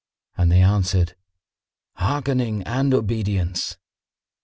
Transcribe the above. And they answered, "Hearkening and obedience!"